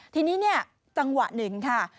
ทีนี้เนี่ยจังหวะหนึ่งค่ะ